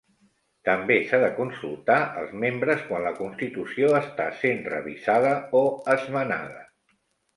També s'ha de consultar els membres quan la constitució està sent revisada o esmenada.